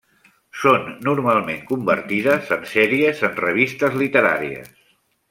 Són normalment convertides en sèries en revistes literàries.